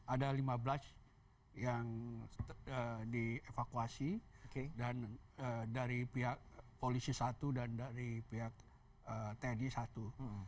ada lima belas yang dievakuasi dan dari pihak polisi satu dan dari pihak tni satu